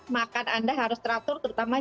makan anda harus teratur terutama